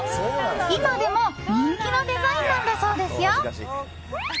今でも人気のデザインなんだそうですよ。